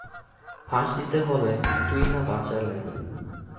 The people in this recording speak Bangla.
ফাঁস দিতে হবে তুই না বাঁচালে।